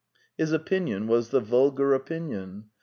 His opinion was the vulgar opinion.